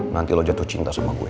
nanti lo jatuh cinta sama gue